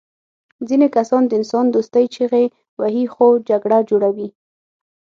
ځینې کسان د انسان دوستۍ چیغې وهي خو جګړه جوړوي